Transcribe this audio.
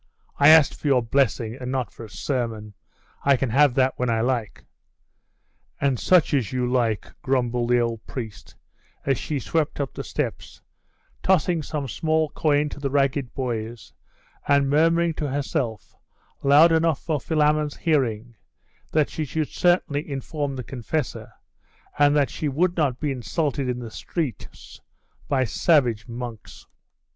'I asked for your blessing, and not for a sermon. I can have that when I like.' 'And such as you like,' grumbled the old priest, as she swept up the steps, tossing some small coin to the ragged boys, and murmuring to herself, loud enough for Philammon's hearing, that she should certainly inform the confessor, and that she would not be insulted in the streets by savage monks.